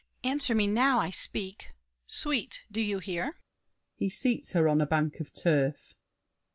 Answer me now. I speak! Sweet, do you hear? [He seats her on a bank of turf.